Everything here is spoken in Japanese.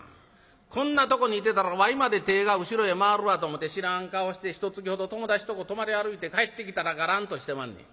こんなとこにいてたらわいまで手ぇが後ろへ回るわと思て知らん顔してひとつきほど友達とこ泊まり歩いて帰ってきたらがらんとしてまんねや。